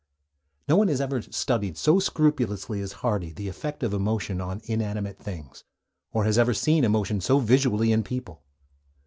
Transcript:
No one has ever studied so scrupulously as Hardy the effect of emotion on inanimate things, or has ever seen emotion so visually in people.